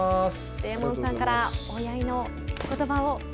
デーモンさんからお祝いのことばを。